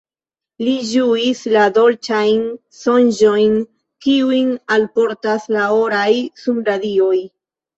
Li ĝuis la dolĉajn sonĝojn, kiujn alportas la oraj sunradioj.